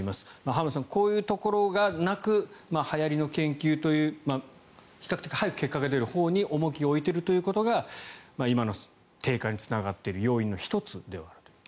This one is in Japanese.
浜田さん、こういうところがなくはやりの研究という比較的早く結果が出るほうに重きを置いていることが今の低下につながっている要因の１つではある。